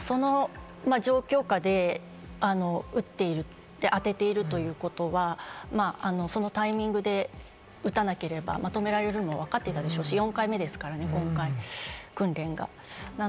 ですので、その状況下で撃っている、当てているということは、そのタイミングで打たなければ止められることも分かっていたでしょうし、４回目ですからね、訓練が。